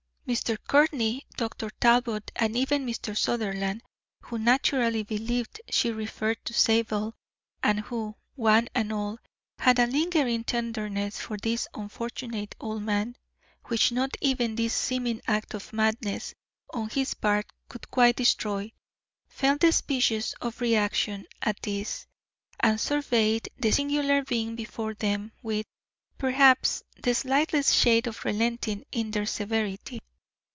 Mr. Courtney, Dr. Talbot, and even Mr. Sutherland, who naturally believed she referred to Zabel, and who, one and all, had a lingering tenderness for this unfortunate old man, which not even this seeming act of madness on his part could quite destroy, felt a species of reaction at this, and surveyed the singular being before them with, perhaps, the slightest shade of relenting in their severity.